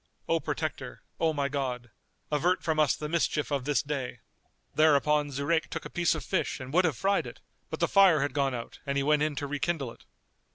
O Protector, O my God, avert from us the mischief of this day!" Thereupon Zurayk took a piece of fish and would have fried it, but the fire had gone out and he went in to rekindle it.